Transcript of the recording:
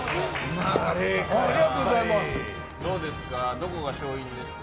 どこが勝因ですか？